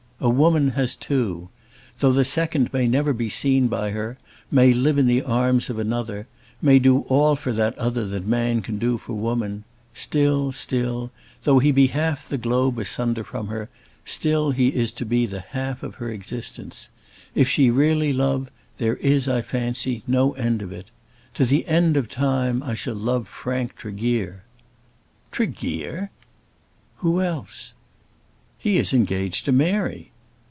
A woman has two. Though the second may never be seen by her, may live in the arms of another, may do all for that other that man can do for woman, still, still, though he be half the globe asunder from her, still he is to her the half of her existence. If she really love, there is, I fancy, no end of it. To the end of time I shall love Frank Tregear." "Tregear!" "Who else?" "He is engaged to Mary."